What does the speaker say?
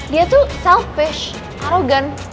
dia tuh selfish arrogant